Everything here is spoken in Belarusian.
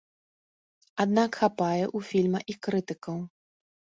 Аднак хапае ў фільма і крытыкаў.